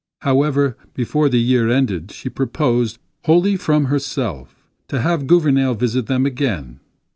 However, before the year ended, she proposed, wholly from herself, to have Gouvernail visit them again.